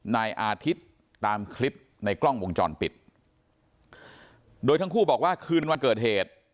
นายอาทิตย์ตามคลิปในกล้องวงจรปิดโดยทั้งคู่บอกว่าคืนวันเกิดเหตุ